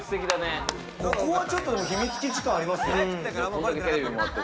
ここはちょっとね、秘密基地感ありますね。